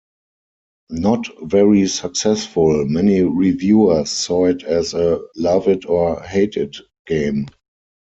Not very successful, many reviewers saw it as a love-it-or-hate-it game.